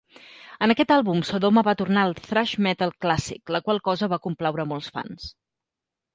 En aquest àlbum, Sodoma va tornar al thrash metall clàssic, la qual cosa va complaure a molts fans.